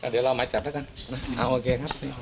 เดี๋ยวรอหมายจับแล้วกันนะโอเคครับ